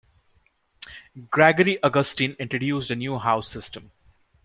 Gregory Augustine introduced a new House System.